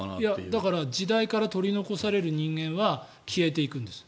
だから時代から取り残される人間は消えていくんです。